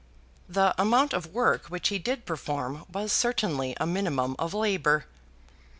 The amount of work which he did perform was certainly a minimum of labour.